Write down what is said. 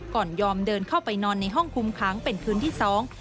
ก่อนยอมเดินเข้าไปนอนในห้องคุมขังเป็นคืนที่สอง